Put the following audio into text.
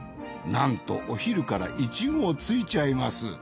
なんとお昼から１合ついちゃいます。